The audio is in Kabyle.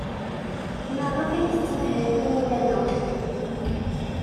Maɣef ay tettmahal Taninna da?